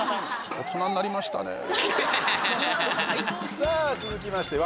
さあ続きましては謎解き